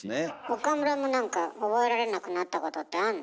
岡村も何か覚えられなくなったことってあんの？